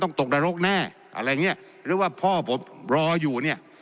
ตกนรกแน่อะไรอย่างเงี้ยหรือว่าพ่อผมรออยู่เนี่ย